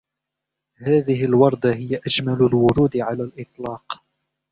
هذه الوردة هي أجمل الورود على الإطلاق.